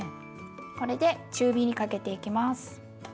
これで中火にかけていきます。